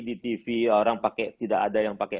di tv orang pakai tidak ada yang pakai